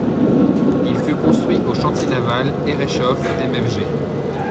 Il fut construit aux chantiers navals Herreshoff Mfg.